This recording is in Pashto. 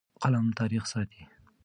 قلم تاریخ ساتي.